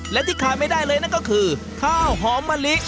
และที่ขาดไม่ได้เลยนั่นก็คือข้าวหอมมะลิ